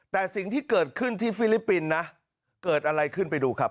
แต่สิ่งที่เกิดขึ้นที่ฟิลิปปินส์นะเกิดอะไรขึ้นไปดูครับ